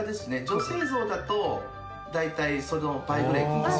「女性像だと大体その倍ぐらいいくんですよ」